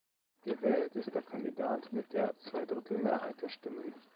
Gewählt ist der Kandidat mit der Zweidrittelmehrheit der Stimmen.